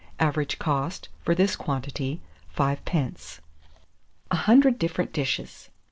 Average cost, for this quantity, 5d. A HUNDRED DIFFERENT DISHES.